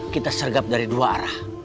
kita sergap dari dua arah